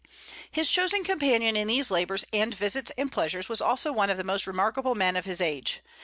His chosen companion in these labors and visits and pleasures was also one of the most remarkable men of his age.